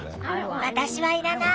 私は要らない。